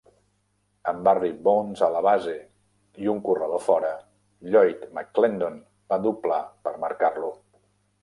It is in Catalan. Amb Barry Bonds a la base i un corredor fora, Lloyd McClendon va doblar per marcar-lo.